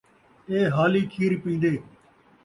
اے حالی کھیر پیندے